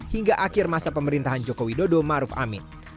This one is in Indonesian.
hingga akhir masa pemerintahan joko widodo maruf amin